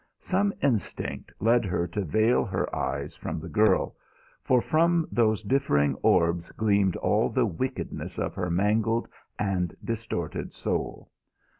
Some instinct led her to veil her eyes from the girl, for from those differing orbs gleamed all the wickedness of her mangled and distorted soul.